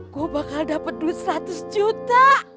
gue bakal dapat duit seratus juta